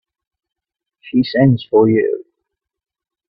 She sends for you.